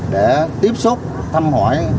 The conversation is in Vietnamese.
để tiếp xúc thăm hỏi